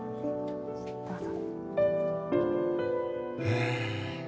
どうぞ。